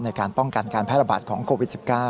ในการป้องกันการแพร่ระบาดของโควิด๑๙